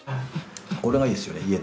これがいいですよね